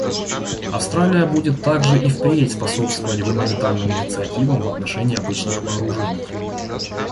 Австралия будет также и впредь способствовать гуманитарным инициативам в отношении обычных вооружений.